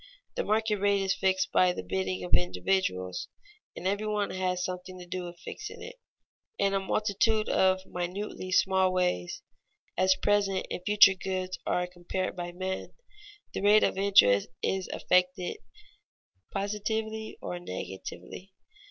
_ The market rate is fixed by the bidding of individuals, and every one has something to do with fixing it. In a multitude of minutely small ways, as present and future goods are compared by men, the rate of interest is affected positively or negatively.